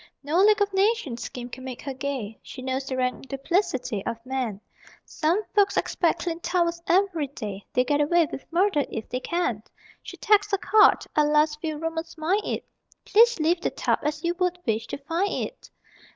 No League of Nations scheme can make her gay She knows the rank duplicity of man; Some folks expect clean towels every day, They'll get away with murder if they can! She tacks a card (alas, few roomers mind it) _Please leave the tub as you would wish to find it!